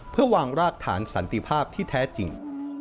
เพื่อวางรากฐานสันติภาพที่แท้จริง